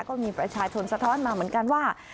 ก็มีประชาชนสะท้อนมาเหมือนกันว่า